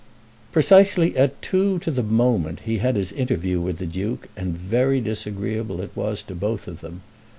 Precisely at two to the moment he had his interview with the Duke, and very disagreeable it was to both of them.